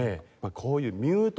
こういうミュート。